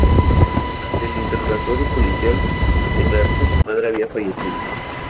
Durante el interrogatorio policial, declaró que su padre había fallecido.